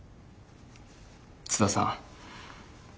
津田さん